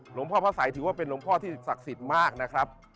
หลวงพ่อพระสัยถือว่าเป็นหลวงพ่อที่ศักดิ์สิทธิ์มากนะครับ